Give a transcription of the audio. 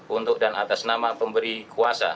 untuk dan atas nama pemberi kuasa